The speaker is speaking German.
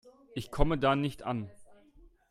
Ich komme da nicht an.